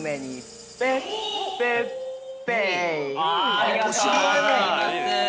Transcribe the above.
◆ありがとうございます！